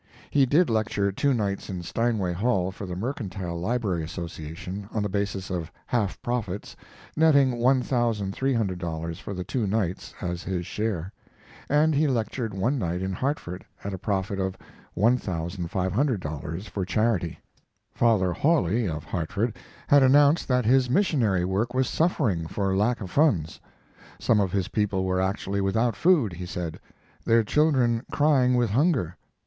He did lecture two nights in Steinway Hall for the Mercantile Library Association, on the basis of half profits, netting $1,300 for the two nights as his share; and he lectured one night in Hartford, at a profit Of $1,500, for charity. Father Hawley, of Hartford, had announced that his missionary work was suffering for lack of funds. Some of his people were actually without food, he said, their children crying with hunger.